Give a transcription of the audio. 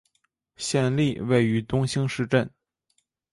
县莅位于东兴市镇。